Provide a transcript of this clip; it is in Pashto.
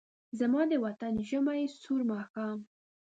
زما د وطن د ژمې سوړ ماښام